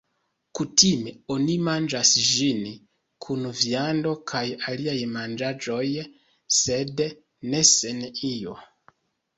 Kutime oni manĝas ĝin, kun viando kaj aliaj manĝaĵoj, sed ne sen io.